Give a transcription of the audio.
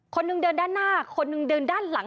คนหนึ่งเดินด้านหน้าคนหนึ่งเดินด้านหลัง